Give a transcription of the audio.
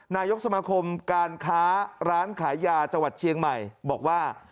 นายกสมาคมการค้าร้านขายยาจังหวัดเชียงใหม่บอกว่า